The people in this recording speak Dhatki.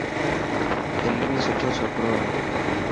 علمي سٺو چوڪرو آهي.